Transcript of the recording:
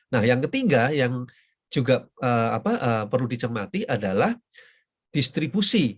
nah yang ketiga yang juga perlu dicermati adalah distribusi